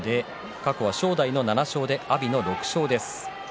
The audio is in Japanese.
過去は正代の７勝阿炎の６勝です。